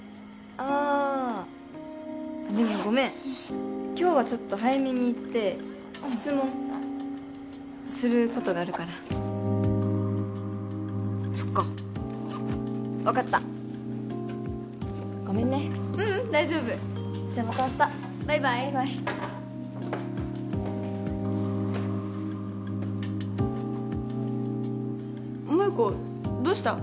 あでもごめん今日はちょっと早めに行って質問することがあるからそっか分かったごめんねううん大丈夫じゃあまた明日バイバイバイバイ萌子どうした？